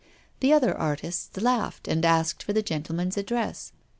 The other artists laughed and asked for the gentleman's address.